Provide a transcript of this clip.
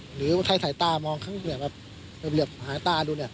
หรือถ้าใส่ตามองข้างที่เนี่ยแบบเหลือหาตาดูเนี่ย